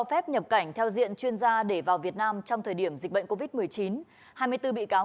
phép nhập cảnh theo diện chuyên gia để vào việt nam trong thời điểm dịch bệnh covid một mươi chín hai mươi bốn bị cáo